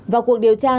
vào cuộc điều tra